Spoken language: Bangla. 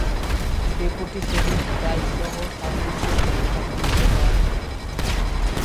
ডেপুটি শেরিফ প্রাইসসহ সাতজনকে দোষী সাব্যস্ত করা হয়।